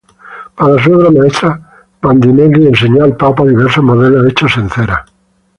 Para su obra maestra, Bandinelli enseñó al Papa diversos modelos hechos en cera.